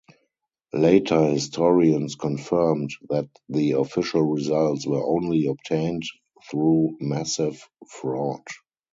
Later, historians confirmed that the official results were only obtained through massive fraud.